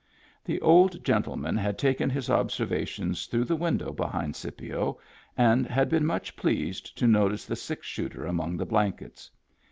The old gentleman had taken his observations through the window be hind Scipio and had been much pleased to notice the six shooter among the blankets.